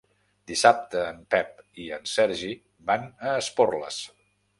Dissabte en Pep i en Sergi van a Esporles.